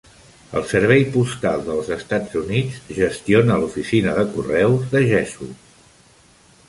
El Servei Postal del Estats Units gestiona l'oficina de correus de Jesup.